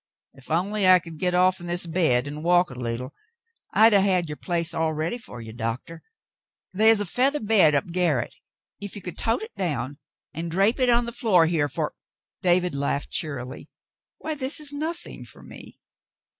If only I could get off'n this bed an' walk a leetle, I'd 'a' had your place all ready fer ye, Doctah. The' is a featheh bade up garret, if ye could tote hit down an' drap on the floor here fer —" David laughed cheerily. "Why, this is nothing for me."